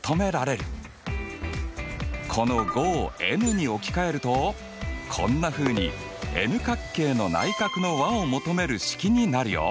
この５をｎに置き換えるとこんなふうにｎ角形の内角の和を求める式になるよ！